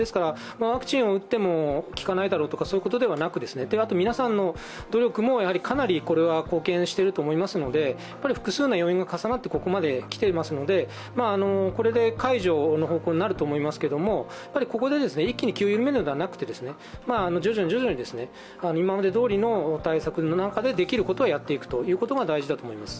ワクチンを打っても効かないだろうということではなく、皆さんの努力もかなり貢献していると思いますので複数の要因が重なってここまで来ていますのでこれで解除の方向になると思いますけれども、ここで一気に気を緩めるのではなくて徐々に徐々に今までどおりの対策の中でできることをやっていくことが大事だと思います。